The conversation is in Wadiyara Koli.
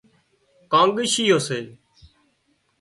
ڪانڳشيئو سي